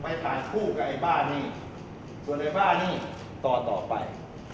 ไปต่างคู่กับไอ้บ้านี่ส่วนไอ้บ้านี่ต่อไป